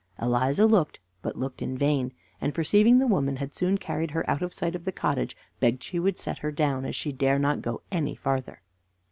Eliza looked, but looked in vain, and, perceiving the woman had soon carried her out of sight of the cottage, begged she would set her down, as she dare not go any farther.